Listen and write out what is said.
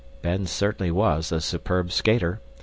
Ben certainly was a superb skater.